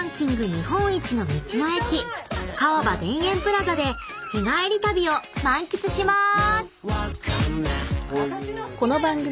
日本一の道の駅川場田園プラザで日帰り旅を満喫しまーす！］